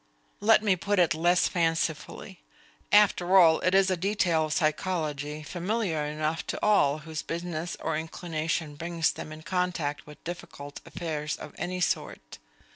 Let me put it less fancifully. After all, it is a detail of psychology familiar enough to all whose business or inclination brings them in contact with difficult affairs of any sort.